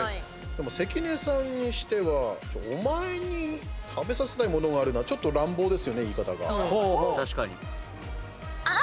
関根さんにしては「お前にたべさせたいものがある」って乱暴ですよね、言い方が。